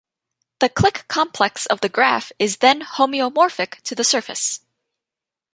The clique complex of the graph is then homeomorphic to the surface.